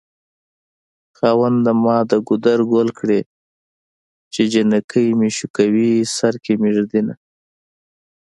خاونده ما دګودر ګل کړی چې جنکي مې شوکوی سرکې مې ږد ينه